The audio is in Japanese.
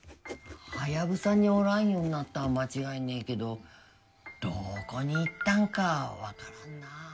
ハヤブサにおらんようになったんは間違いねえけどどこに行ったんかはわからんなあ。